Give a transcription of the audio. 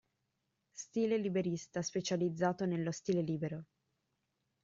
Stile liberista: Specializzato nello stile libero.